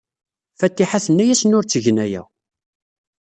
Fatiḥa tenna-asen ur ttgen aya.